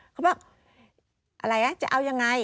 เขาบอกอะไรนะจะเอายังไง